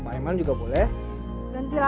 bisa mau deket sama ibu